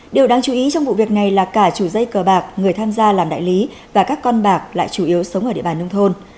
điều đáng chú ý trong vụ việc này là cả chủ dây cờ bạc người tham gia làm đại lý và các con bạc lại chủ yếu sống ở địa bàn nông thôn